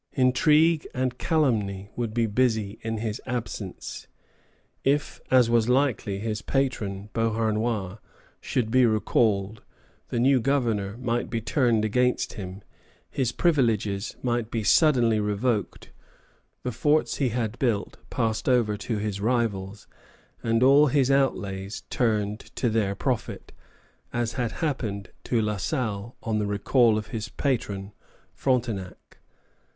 Intrigue and calumny would be busy in his absence. If, as was likely, his patron, Beauharnois, should be recalled, the new governor might be turned against him, his privileges might be suddenly revoked, the forts he had built passed over to his rivals, and all his outlays turned to their profit, as had happened to La Salle on the recall of his patron, Frontenac.